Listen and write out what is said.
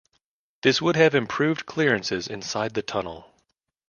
This would have improved clearances inside the tunnel.